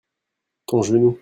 ton genou.